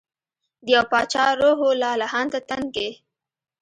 د یو چا روح و لا لهانده تن کي